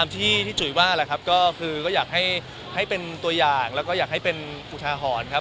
ที่จุ๋ยว่าแหละครับก็คือก็อยากให้เป็นตัวอย่างแล้วก็อยากให้เป็นอุทาหรณ์ครับ